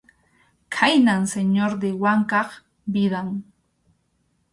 Khaynam Señor de Wankap vidan.